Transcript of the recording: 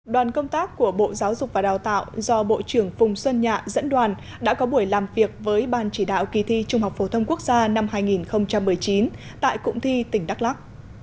đoàn công tác của bộ giáo dục và đào tạo do bộ trưởng phùng xuân nhạ dẫn đoàn đã có buổi làm việc với ban chỉ đạo kỳ thi trung học phổ thông quốc gia năm hai nghìn một mươi chín tại cụng thi tỉnh đắk lắc